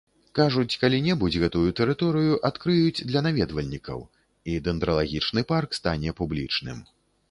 Кажуць, калі-небудзь гэтую тэрыторыю адкрыюць для наведвальнікаў, і дэндралагічны парк стане публічным.